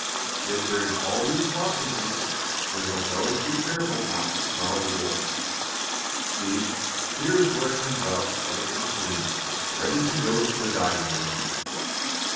Yet during all these processes we must always be careful not to snarl the wool. See, here is where it comes out white and clean, ready to go to the dyeing room."